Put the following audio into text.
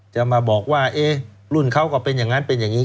จะมาบอกว่าเอ๊ะรุ่นเขาก็เป็นอย่างนั้นเป็นอย่างนี้